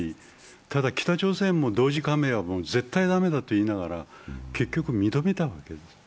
ただ北朝鮮も同時加盟は絶対駄目だと言いながら結局認めたわけです。